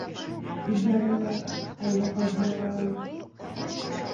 Күҙҙәре лә... әллә ҡайһылай...